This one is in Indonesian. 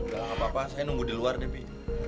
gak apa apa saya nunggu di luar debi